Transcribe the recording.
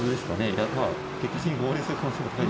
いやまあ結果的に合流する可能性も高い。